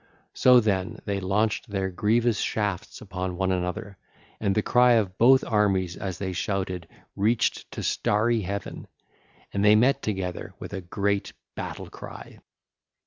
So, then, they launched their grievous shafts upon one another, and the cry of both armies as they shouted reached to starry heaven; and they met together with a great battle cry.